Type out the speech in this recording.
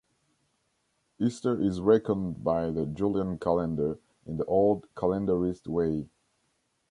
Easter is reckoned by the Julian Calendar in the Old Calendarist way.